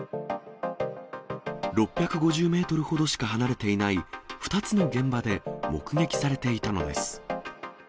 ６５０メートルほどしか離れていない２つの現場で目撃されていたのです。